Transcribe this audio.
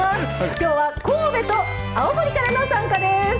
きょうは神戸と青森からの参加です。